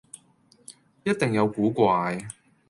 一定有古怪